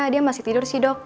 dia masih tidur sih dok